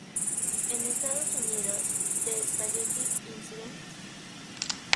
En Estados Unidos, "The Spaghetti Incident?